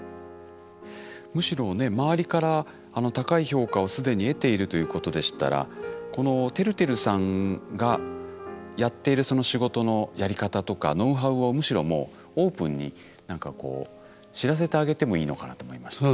むしろね周りから高い評価を既に得ているということでしたらこのてるてるさんがやっている仕事のやり方とかノウハウをむしろもうオープンに何かこう知らせてあげてもいいのかなと思いました。